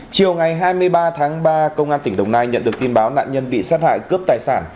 chiều ngày hai mươi ba tháng ba công an tỉnh đồng nai nhận được tin báo nạn nhân bị sát hại cướp tài sản